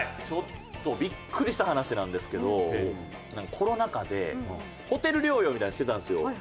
ちょっとビックリした話なんですけどコロナ禍でホテル療養みたいなのしてたんですよ。